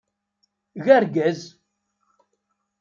Eg argaz!